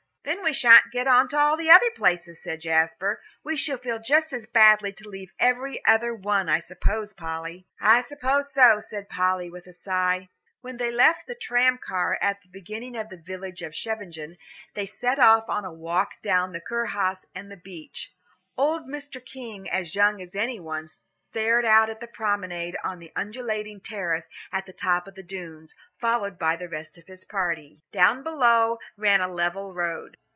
"Then we sha'n't get on to all the other places," said Jasper. "We shall feel just as badly to leave every other one, I suppose, Polly." "I suppose so," said Polly, with a sigh. When they left the tram car at the beginning of the village of Scheveningen they set off on a walk down to the Curhaus and the beach. Old Mr. King, as young as any one, started out on the promenade on the undulating terrace at the top of the Dunes, followed by the rest of his party. Down below ran a level road.